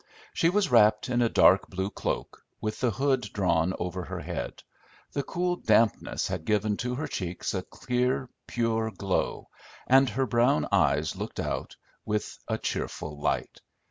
She was wrapped in a dark blue cloak, with the hood drawn over her head; the cool dampness had given to her cheeks a clear, pure glow, and her brown eyes looked out with a cheerful light.